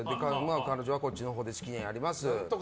彼女はこっちのほうで好きにやります。